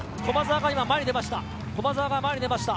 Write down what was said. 駒澤が今、前に出ました。